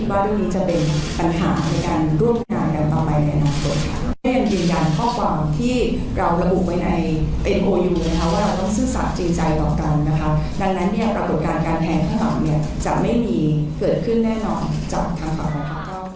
จะไม่มีเกิดขึ้นแน่นอนจากทางขาวในภาคเก้า